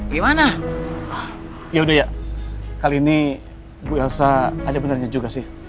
gimana yaudah ya kali ini gua elsa ada benernya juga sih